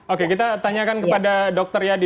oke kita tanyakan kepada dr yadi